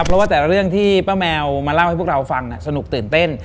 เพราะว่าแต่ละเรื่องที่ป้าแมวมาเล่าให้พวกเราฟังสนุกตื่นเต้น